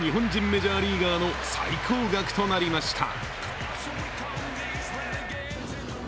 メジャーリーガーの最高額となりました。